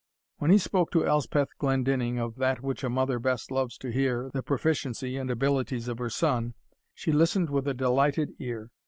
When he spoke to Elspeth Glendinning of that which a mother best loves to hear the proficiency and abilities of her son she listened with a delighted ear.